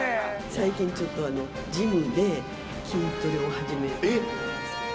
最近ちょっとジムで筋トレをえっ？